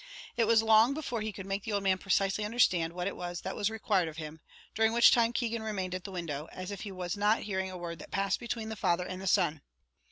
It was long before he could make the old man precisely understand what it was that was required of him; during which time Keegan remained at the window, as if he was not hearing a word that passed between the father and son.